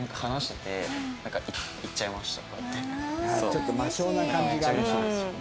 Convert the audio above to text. ちょっと魔性な感じがあるな。